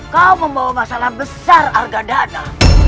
kau membawa masalah besar argadana